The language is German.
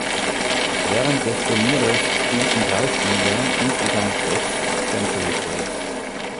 Während des Turnieres spielten drei Spieler insgesamt sechs Century Breaks.